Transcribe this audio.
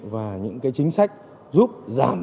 và những cái chính sách giúp giảm